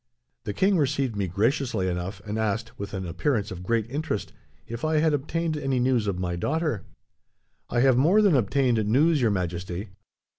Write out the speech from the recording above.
The king received me graciously enough, and asked, with an appearance of great interest, if I had obtained any news of my daughter. "'I have more than obtained news, Your Majesty.